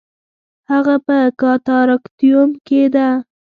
هغه په کاتاراکتیوم کې ده